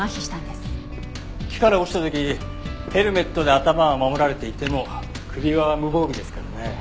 木から落ちた時ヘルメットで頭は守られていても首は無防備ですからね。